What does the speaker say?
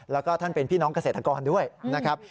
แล้วก็ท่านเป็นพี่น้องเกษตรกรด้วยนะครับ